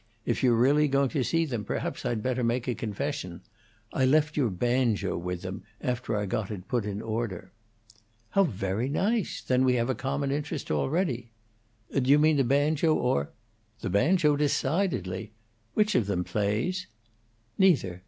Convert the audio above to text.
If you're really going to see them, perhaps I'd better make a confession. I left your banjo with them, after I got it put in order." "How very nice! Then we have a common interest already." "Do you mean the banjo, or " "The banjo, decidedly. Which of them plays?" "Neither.